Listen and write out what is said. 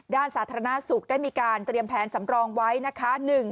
ด้านสาธารณสุขได้มีการเตรียมแผนสำรองไว้นะคะ